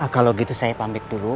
kalau gitu saya pamik dulu